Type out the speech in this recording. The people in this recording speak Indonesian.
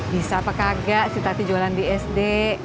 bisa apa kagak si tati jualan di sd